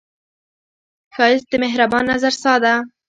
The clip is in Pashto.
ښایست د مهربان نظر ساه ده